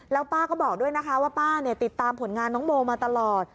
แล้วป้าก็บอกด้วยนะคะว่าป้าติดตามผลงานน้องโมมาตลอด